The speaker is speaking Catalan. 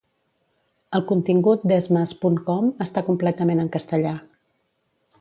El contingut d'esmas punt com està completament en castellà.